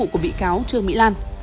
của bị cáo trương mỹ lan